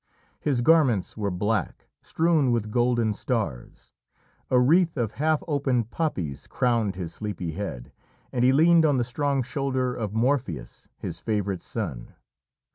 His garments were black, strewn with golden stars. A wreath of half opened poppies crowned his sleepy head, and he leaned on the strong shoulder of Morpheus, his favourite son.